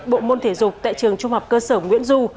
bộ môn thể dục tại trường trung học cơ sở nguyễn du